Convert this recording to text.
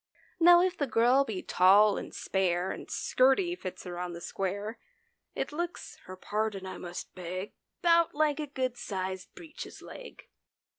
Now, if the girl be tall and spare And skirty fits her on the square. It looks (her pardon I must beg), 'Bout like a good sized breeches leg.